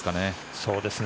そうですね。